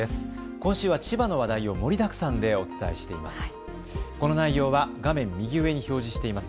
今週は千葉の話題を盛りだくさんでお伝えしています。